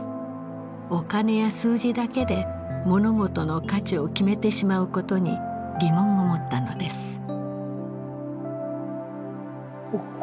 お金や数字だけで物事の価値を決めてしまうことに疑問を持ったのです。